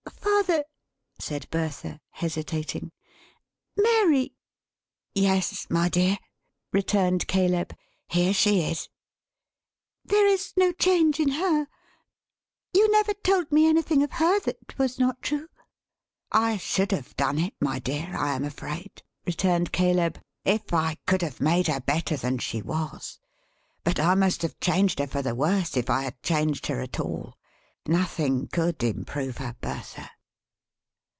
"Father," said Bertha, hesitating. "Mary." "Yes my dear," returned Caleb. "Here she is." "There is no change in her. You never told me anything of her that was not true?" "I should have done it my dear, I am afraid," returned Caleb, "if I could have made her better than she was. But I must have changed her for the worse, if I had changed her at all. Nothing could improve her, Bertha."